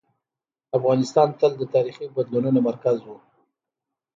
افغانستان تل د تاریخي بدلونونو مرکز و.